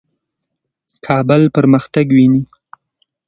کابل پرمختګ ویني.